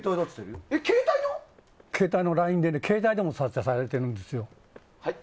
携帯のＬＩＮＥでも撮影されているんですよ。